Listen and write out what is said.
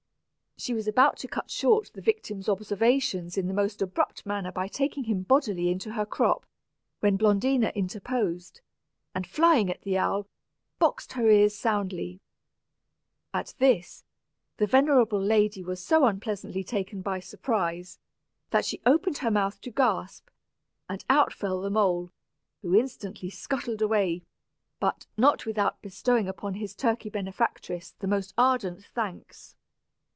She was about to cut short the victim's observations in the most abrupt manner by taking him bodily into her crop, when Blondina interposed, and flying at the owl, boxed her ears soundly. At this, the venerable lady was so unpleasantly taken by surprise, that she opened her mouth to gasp, and out fell the mole, who instantly scuttled away, but not without bestowing upon his turkey benefactress the most ardent thanks.